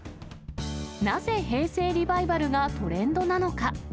なぜ平成リバイバルがトレン